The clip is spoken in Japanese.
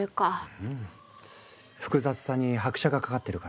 うん複雑さに拍車がかかってるからね。